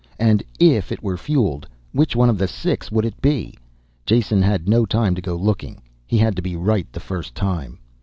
And if it were fueled which one of the six would it be? Jason had no time to go looking. He had to be right the first time.